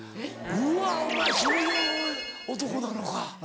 うわお前そういう男なのか。